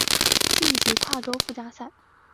晋级跨洲附加赛。